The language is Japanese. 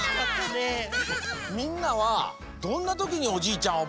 みんなはどんなときにおじいちゃん